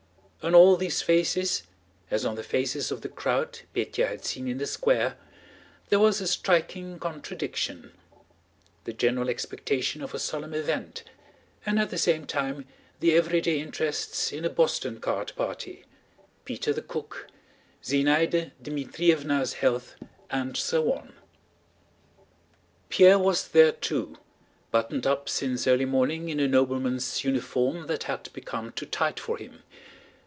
On all these faces, as on the faces of the crowd Pétya had seen in the Square, there was a striking contradiction: the general expectation of a solemn event, and at the same time the everyday interests in a boston card party, Peter the cook, Zinaída Dmítrievna's health, and so on. Pierre was there too, buttoned up since early morning in a nobleman's uniform that had become too tight for him.